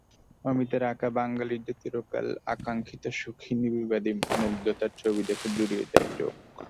অমিতের আঁকা বাঙালির চিরকালের আকাঙ্ক্ষিত সুখী-নির্বিবাদী মুগ্ধতার ছবি দেখে জুড়িয়ে যায় চোখ।